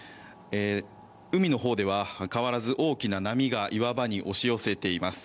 海のほうでは変わらず大きな波が岩場に押し寄せています。